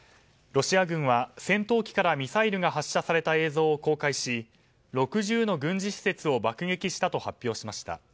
ロシア軍は戦闘機からミサイルが発射された映像を公開し６０の軍事施設を爆撃したと発表しました。